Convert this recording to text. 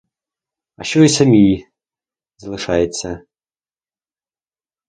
А що їй самій залишається?